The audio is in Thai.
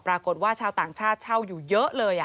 ปรากฏว่าชาวต่างชาติเช่าอยู่เยอะเลย